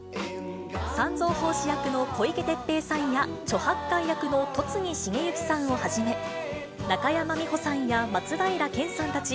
三蔵法師役の小池徹平さんや、猪八戒役の戸次重幸さんをはじめ、中山美穂さんや松平健さんたち